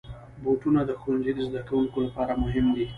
بوټونه د ښوونځي زدهکوونکو لپاره مهم دي.